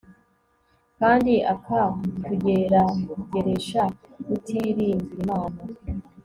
kandi akatugerageresha kutiringira Imana